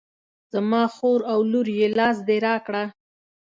زما خور او لور یې لاس دې را کړه.